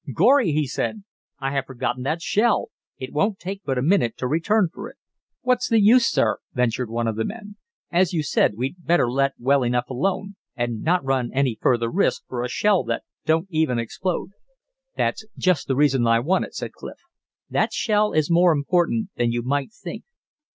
"Gorry!" he said, "I have forgotten that shell. It won't take but a minute to return for it." "What's the use, sir?" ventured one of the men. "As you said, we'd better let well enough alone, and not run any further risk for a shell that don't even explode." "That's just the reason I want it," said Clif. "That shell is more important than you might think.